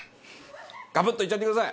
ガブッといっちゃってください。